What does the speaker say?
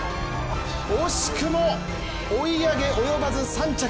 惜しくも追い上げ及ばず３着。